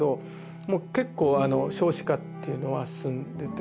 もう結構少子化っていうのは進んでて。